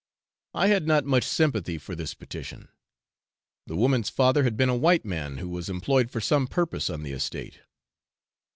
I had not much sympathy for this petition. The woman's father had been a white man who was employed for some purpose on the estate.